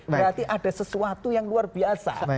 berarti ada sesuatu yang luar biasa